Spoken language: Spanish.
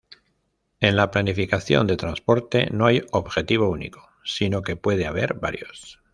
En la planificación de transporte no hay objetivo único, sino que puede haber varios.